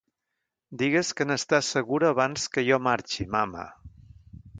Digues que n'estàs segura abans que jo marxi, mama.